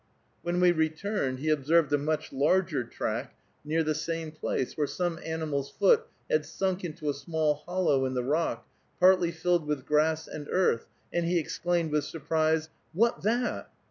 When we returned, he observed a much larger track near the same place, where some animal's foot had sunk into a small hollow in the rock, partly filled with grass and earth, and he exclaimed with surprise, "What that?"